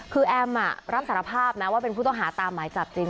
คือแอมรับสารภาพนะว่าเป็นผู้ต้องหาตามหมายจับจริง